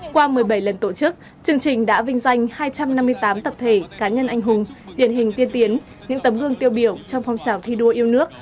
qua một mươi bảy lần tổ chức chương trình đã vinh danh hai trăm năm mươi tám tập thể cá nhân anh hùng điển hình tiên tiến những tấm gương tiêu biểu trong phong trào thi đua yêu nước